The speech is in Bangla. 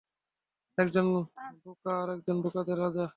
একজন বোকা, আরেকজন বোকাদের রাজা।